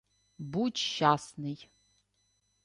— Будь щасний.